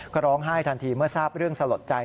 ก็ร้องไห้ทันทีเมื่อทราบเรื่องสลดใจ